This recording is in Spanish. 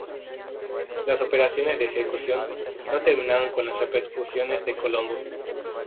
Las operaciones de ejecución no terminaron con las repercusiones de Colombo.